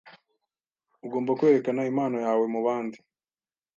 Ugomba kwerekana impano yawe mubandi.